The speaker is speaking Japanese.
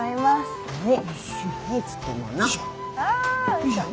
はい。